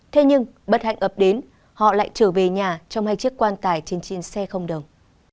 thế nhưng bất hạnh ập đến họ lại trở về nhà trong hai chiếc quan tài trên xe không đồng